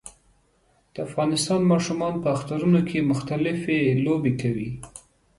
د افغانستان ماشومان په اخترونو کې مختلفي لوبې کوي